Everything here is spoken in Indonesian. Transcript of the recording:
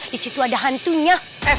di situ ada hantunya